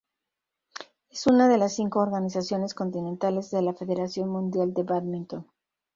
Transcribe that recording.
Es una de las cinco organizaciones continentales de la Federación Mundial de Bádminton.